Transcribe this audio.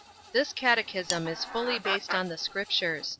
This Catechism is fully based on the Scriptures.